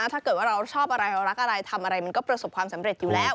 ถ้าเกิดว่าเราชอบอะไรเรารักอะไรทำอะไรมันก็ประสบความสำเร็จอยู่แล้ว